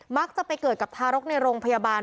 มักจะไปเกิดกับทารกในโรงพยาบาล